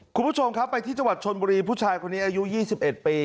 คุณผู้ชมครับไปที่จังหวัดชนบุรีผู้ชายคนนี้อายุ๒๑ปี